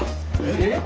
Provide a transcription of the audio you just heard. えっ！？